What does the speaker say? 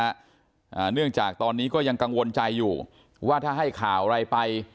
อ่าเนื่องจากตอนนี้ก็ยังกังวลใจอยู่ว่าถ้าให้ข่าวอะไรไป